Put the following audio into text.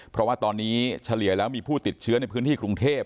เพราะว่าตอนนี้เฉลี่ยแล้วมีผู้ติดเชื้อในพื้นที่กรุงเทพ